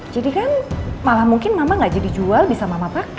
jadi kan malah mungkin mama nggak jadi jual bisa mama pake